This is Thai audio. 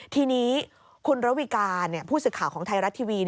ทีนี้คุณระวิการผู้สื่อข่าวของไทยรัฐทีวี